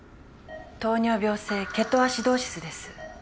糖尿病性ケトアシドーシスです